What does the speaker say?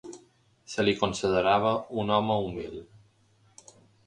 Se li considerava un home humil.